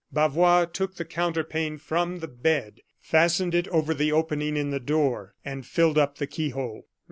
Bavois took the counterpane from the bed, fastened it over the opening in the door, and filled up the key hole.